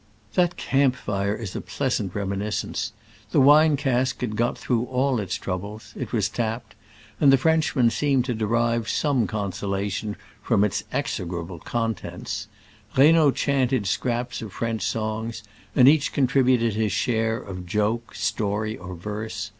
That camp fire is a pleasant reminis cence. The wine cask had got through all its troubles : it was tapped, and the Frenchmen seemed to derive some con solation from its execrable contents. Reynaud chanted scraps of French songs, and each contributed his share of joke, story or verse.